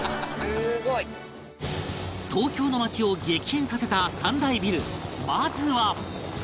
東京の街を激変させた３大ビルまずは